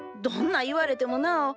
どんな言われてもなあ。